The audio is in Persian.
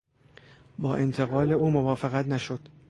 با انتقال او موافقت نشد.